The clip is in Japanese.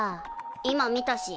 今見たし。